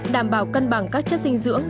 đảm bảo cân bằng các chất dinh dưỡng